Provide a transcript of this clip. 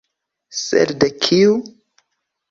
Sed de kiu?